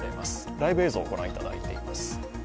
ライブ映像、ご覧いただいています